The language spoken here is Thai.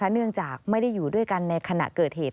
เนื่องจากไม่ได้อยู่ด้วยกันในขณะเกิดเหตุ